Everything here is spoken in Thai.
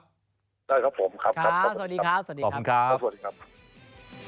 ได้ครับผมครับครับสวัสดีครับสวัสดีครับสวัสดีครับ